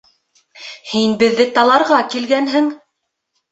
Һин беҙҙе таларға килгәнһең!